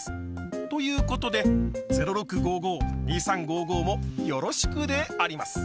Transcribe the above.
という事で「０６５５」「２３５５」もよろしくであります！